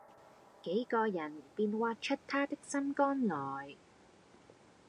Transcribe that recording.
幾個人便挖出他的心肝來，